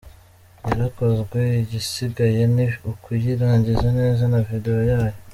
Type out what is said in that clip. Yarakozwe igisigaye ni ukuyirangiza neza na video yayo.